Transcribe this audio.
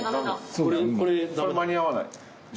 それ間に合わない。